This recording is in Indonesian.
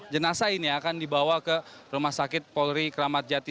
jenazah ini akan dibawa ke rumah sakit polri kramat jati